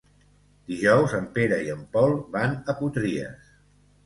Dijous en Pere i en Pol van a Potries.